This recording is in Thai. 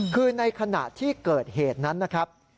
คือในขณะที่เกิดเหตุนั้นนะครับ